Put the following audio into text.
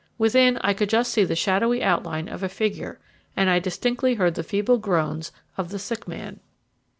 Within I could just see the shadowy outline of a figure, and I distinctly heard the feeble groans of the sick man.